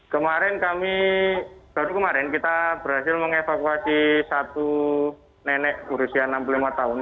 kemarin kami baru kemarin kita berhasil mengevakuasi satu nenek berusia enam puluh lima tahun